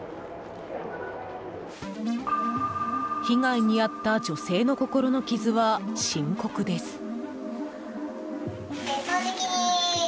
被害に遭った女性の心の傷は深刻です。